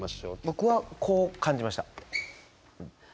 僕はこう感じました。